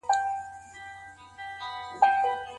عبد الرحمن بن عوف د واده پر مهال څه وکړل؟